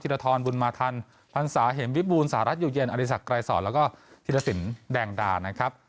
ธิรธรบุญมาธรรมพรรษาเห็นวิบูรณ์สหรัฐอยู่เย็นอริสักไกรศรแล้วก็ธิรศิลป์แดงดานะครับ